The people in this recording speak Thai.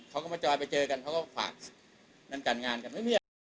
เขาก็มาจอยไปเจอกันเขาก็ฝากนั้นการงานกัน